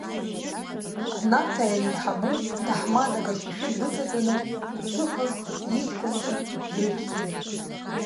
Анарҭаа иреиҳабу ҭаҳмадак ашьашәыр дыҵатәаны дсыҟаз, иҷкәынцәа дрыԥхьеит…